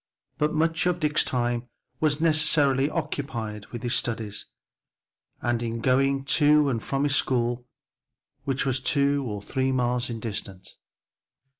But much of Dick's time was necessarily occupied with his studies, and in going to and from his school, which was two or three miles distant.